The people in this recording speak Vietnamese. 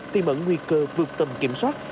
tiêm ẩn nguy cơ vượt tầm kiểm soát